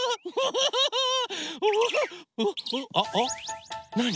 あっなに？